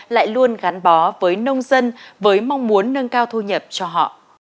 lại luôn gắn bó với nông dân với mong muốn nâng cao thu nhập cho họ